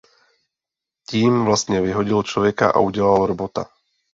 Tím vlastně vyhodil člověka a udělal robota.